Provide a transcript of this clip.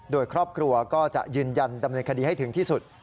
โดยครอบครัวก็จะยืนยันดำเนินคดีให้ถึงที่สุด